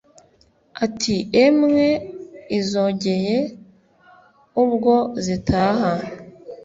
ati "emwe izogeye ubwo zitaha